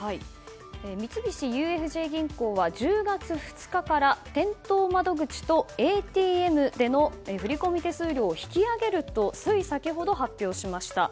三菱ＵＦＪ銀行は１０月２日から店頭窓口とＡＴＭでの振込手数料を引き上げるとつい先ほど発表しました。